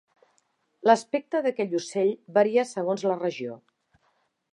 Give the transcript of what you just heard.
L'aspecte d'aquest ocell varia segons la regió.